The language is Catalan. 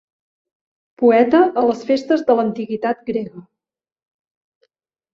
Poeta a les festes de l'antiguitat grega.